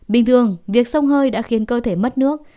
bình thường việc sông hơi đã khiến cơ thể mất nước